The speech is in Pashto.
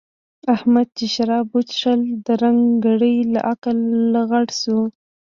احمد چې شراب وڅښل؛ درنګ ګړۍ له عقله لغړ شو.